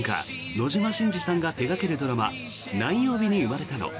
野島伸司さんが手掛けるドラマ「何曜日に生まれたの」。